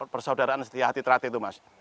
persaudaraan setia hati terat itu mas